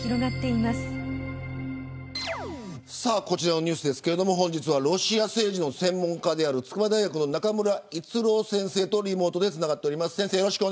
こちらのニュースですが本日はロシア政治の専門家である筑波大学の中村逸郎先生とリモートでつながっています。